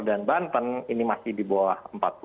dan banten ini masih di bawah